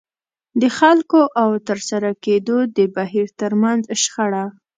د خلکو او د ترسره کېدو د بهير ترمنځ شخړه.